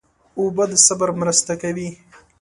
اوبه د صبر مرسته کوي.